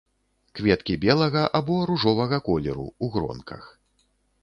Кветкі белага або ружовага колеру, у гронках.